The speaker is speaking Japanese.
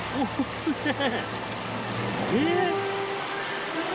すげえ！